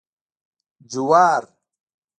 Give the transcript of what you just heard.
🌽 جوار